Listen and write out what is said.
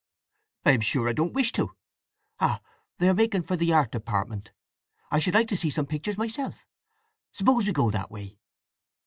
"I'm sure I don't wish to! … Ah—they are making for the art department. I should like to see some pictures myself. Suppose we go that way?